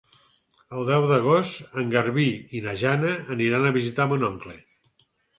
El deu d'agost en Garbí i na Jana aniran a visitar mon oncle.